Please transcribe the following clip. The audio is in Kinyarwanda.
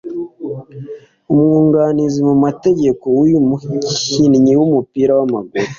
Umwunganizi mu mategeko w’uyu mukinnyi w’umupira w’amaguru